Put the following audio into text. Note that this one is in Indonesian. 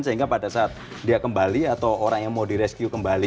sehingga pada saat dia kembali atau orang yang menempatkan stesen dia bisa masuk ke dalam